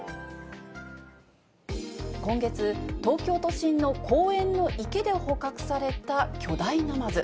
今月、東京都心の公園の池で捕獲された巨大ナマズ。